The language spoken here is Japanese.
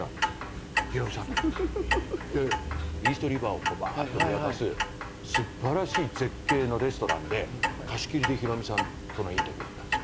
イーストリバーをばーっと見渡す素晴らしい絶景のレストランで貸し切りでひろみさんとのインタビューやったんですよ。